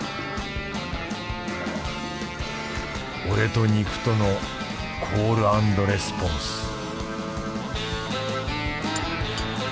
俺と肉とのコールアンドレスポンス